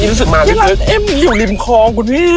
นี่รู้สึกมากดีแบบอ่ะอยู่รีบคลองกูนี่